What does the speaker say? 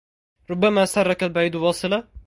ربما سرك البعيد وأصلا